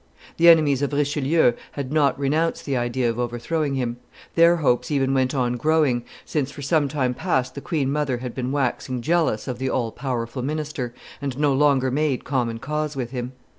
The enemies of Richelieu had not renounced the idea of overthrowing him; their hopes even went on growing, since, for some time past the queen mother had been waxin jealous of the all powerful minister, and no longer made common cause with him.